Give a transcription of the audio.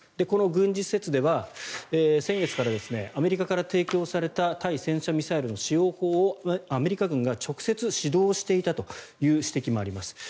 この軍事施設では先月からアメリカから提供された対戦車ミサイルの使用法をアメリカ軍が直接指導していたという指摘もあります。